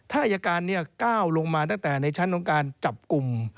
ถ้าอายการก้าวลงมาตั้งแต่ในชั้นของการจับกลุ่ม